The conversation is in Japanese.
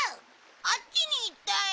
あっちに行ったよ。